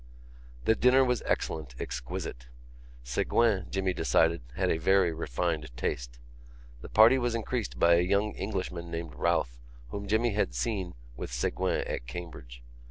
The dinner was excellent, exquisite. Ségouin, Jimmy decided, had a very refined taste. The party was increased by a young Englishman named Routh whom Jimmy had seen with Ségouin at Cambridge.